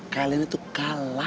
kalian itu kalah